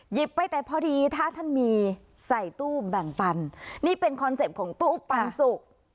หยิบไปแต่พอดีถ้าท่านมีใส่ตู้แบ่งปันนี่เป็นคอนเซ็ปต์ของตู้ปันสุก